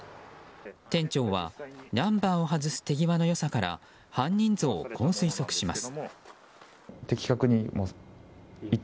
店長はナンバーを外す手際の良さから犯人像をこう推測します。